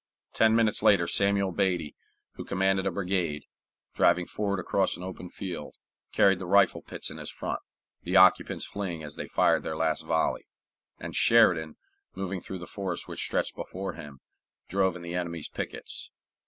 Ten minutes later Samuel Beatty, who commanded a brigade, driving forward across an open field, carried the rifle pits in his front, the occupants fleeing as they fired their last volley; and Sheridan, moving through the forest which stretched before him, drove in the enemy's pickets.